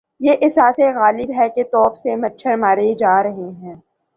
یہ احساس غالب ہے کہ توپ سے مچھر مارے جا رہے ہیں۔